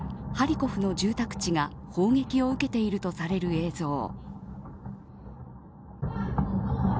ハリコフの住宅地が砲撃を受けているとされる映像。